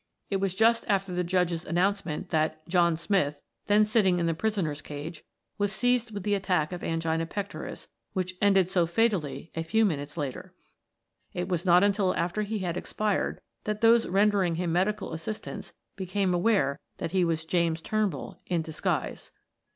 "It was just after the Judge's announcement that 'John Smith,' then sitting in the prisoners cage, was seized with the attack of angina pectoris which ended so fatally a few minutes later. It was not until after he had expired that those rendering him medical assistance became aware that he was James Turnbull in disguise.